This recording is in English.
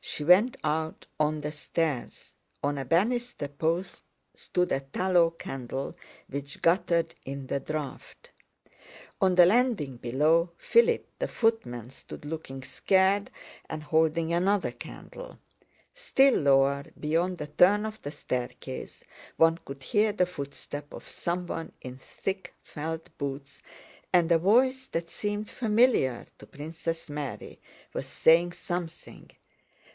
She went out on the stairs. On a banister post stood a tallow candle which guttered in the draft. On the landing below, Philip, the footman, stood looking scared and holding another candle. Still lower, beyond the turn of the staircase, one could hear the footstep of someone in thick felt boots, and a voice that seemed familiar to Princess Mary was saying something.